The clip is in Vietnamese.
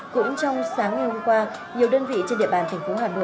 cũng trong sáng ngày hôm qua nhiều đơn vị trên địa bàn thành phố hà nội